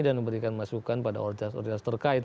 dan memberikan masukan pada orde terkait